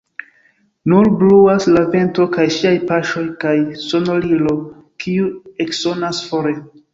Nur bruas la vento kaj ŝiaj paŝoj, kaj sonorilo, kiu eksonas fore.